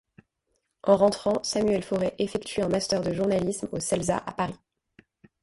En rentrant, Samuel Forey effectue un master de journalisme au Celsa à Paris.